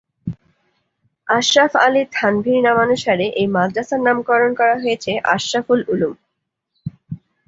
আশরাফ আলী থানভীর নামানুসারে এই মাদ্রাসার নামকরণ করা হয়েছে ‘আশরাফুল উলুম’।